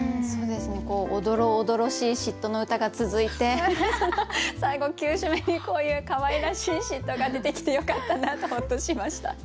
おどろおどろしい嫉妬の歌が続いて最後９首目にこういうかわいらしい嫉妬が出てきてよかったなとホッとしました。